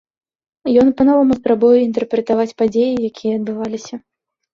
Ён па-новаму спрабуе інтэрпрэтаваць падзеі, якія адбываліся.